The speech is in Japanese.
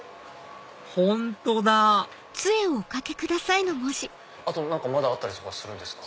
本当だまだあったりするんですか？